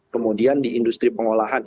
kemudian di industri pengolahan